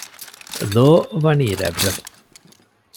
ލޯ ވަނީ ރަތް ވެފަ